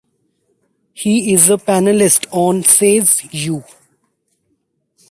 He is a panelist on Says You!